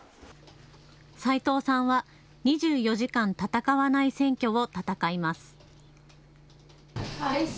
斉藤さんは２４時間戦わない選挙を戦います。